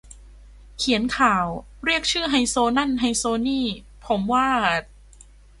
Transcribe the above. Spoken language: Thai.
เขียนข่าว เรียกชื่อ ไฮโซ นั่นไฮโซนี่ ผมว่า